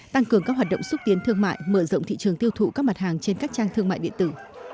tăng cường các hoạt động xúc tiến thương mại mở rộng thị trường tiêu thụ các mặt hàng trên các trang thương mại điện tử